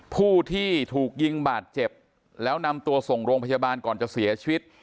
ผู้ที่ถูกยิงบาดเจ็บแล้วนำตัวส่งโรงพยาบาลก่อนจะเสียชีวิต